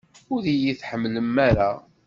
Ur iyi-tḥemmlem ara!